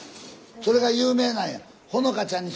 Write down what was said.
それが有名なんや。